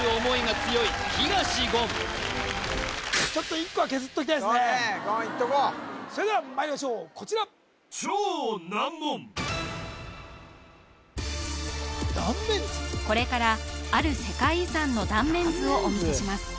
言いっとこうそれではまいりましょうこちらこれからある世界遺産の断面図をお見せします